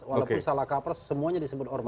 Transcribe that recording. walaupun salah kaprah semuanya disebut ormas